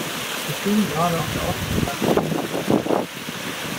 Wir stehen gerade auf der Aussichtsplattform auf der Zugspitze.